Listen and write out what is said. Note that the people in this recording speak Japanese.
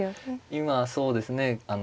今そうですね